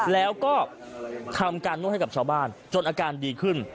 แล้วก็ทำการนวดให้กับชาวบ้านจนอาการดีขึ้น